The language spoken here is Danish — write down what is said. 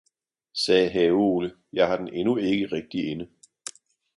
sagde Have-Ole, jeg har den endnu ikke rigtig inde.